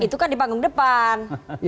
itu kan di panggung depan